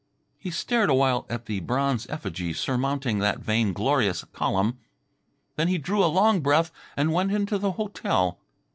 He stared a while at the bronze effigy surmounting that vainglorious column. Then he drew a long breath and went into the hotel.